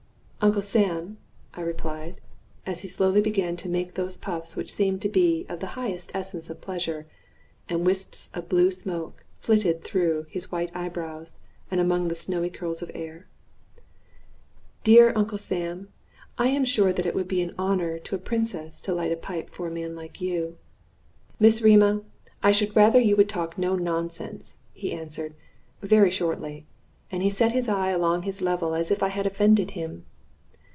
"Uncle Sam," I replied, as he slowly began to make those puffs which seem to be of the highest essence of pleasure, and wisps of blue smoke flitted through his white eyebrows and among the snowy curls of hair "dear Uncle Sam, I am sure that it would be an honor to a princess to light a pipe for a man like you." "Miss Rema, I should rather you would talk no nonsense," he answered, very shortly, and he set his eye along his level, as if I had offended him.